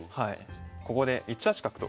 ここで１八角と。